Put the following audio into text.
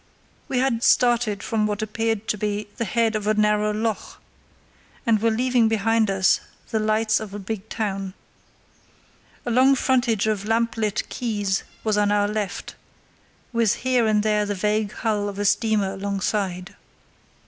We had started from what appeared to be the head of a narrow loch, and were leaving behind us the lights of a big town. A long frontage of lamp lit quays was on our left, with here and there the vague hull of a steamer alongside.